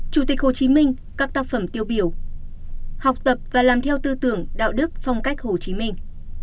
chủ tịch hồ chí minh các tác phẩm tiêu biểu học tập và làm theo tư tưởng đạo đức phong cách hồ chí minh